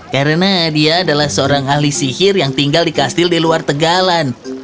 karena dia adalah seorang ahli sihir yang tinggal di kastil di luar tegalan